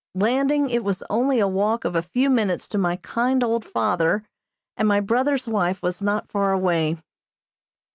Landing, it was only a walk of a few minutes to my kind old father, and my brother's wife was not far away.